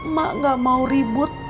mak gak mau ribut